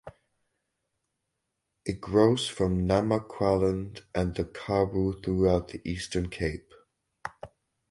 It grows from Namaqualand and the Karoo through to the Eastern Cape.